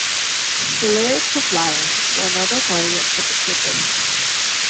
The lyrics of "Lions" were another target for the critics.